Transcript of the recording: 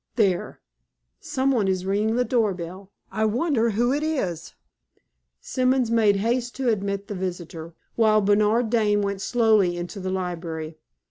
There! Some one is ringing the door bell. I wonder who it is?" Simons made haste to admit the visitor, while Bernard Dane went slowly into the library.